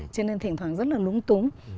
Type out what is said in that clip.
cho nên thỉnh thoảng rất là lúng túng